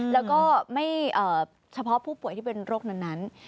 แล้วก็ไม่เฉพาะผู้ป่วยที่เป็นโรคนั้น